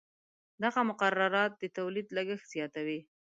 دغه مقررات د تولید لګښت زیاتوي.